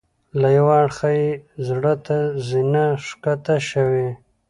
له یوه اړخه یې زړه ته زینه ښکته شوې.